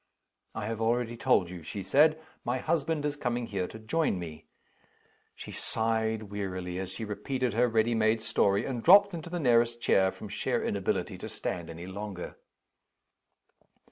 "I have already told you," she said, "my husband is coming here to join me." She sighed wearily as she repeated her ready made story and dropped into the nearest chair, from sheer inability to stand any longer.